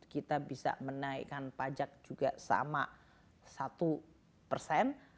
kita bisa menaikkan pajak juga sama satu persen